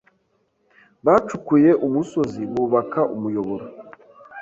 Bacukuye umusozi bubaka umuyoboro.